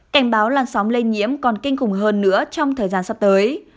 cảnh báo làn sóng lây nhiễm còn kinh khủng hơn nữa trong thời gian sắp tới